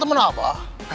teleponan sama temen apa